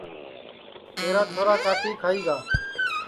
تیرا چھورا کاٹی کھائی گا